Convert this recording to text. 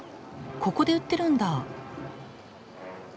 ここで売ってるんだ。